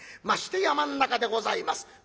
まして山ん中でございます。